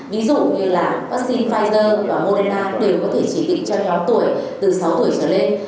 ví dụ như là vaccine pfizer và modella đều có thể chỉ định cho nhóm tuổi từ sáu tuổi trở lên